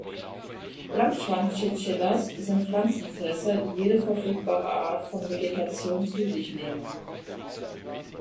Langschwanz-Chinchillas sind Pflanzenfresser, die jede verfügbare Art von Vegetation zu sich nehmen.